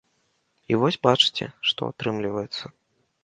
І вось бачыце, што атрымліваецца.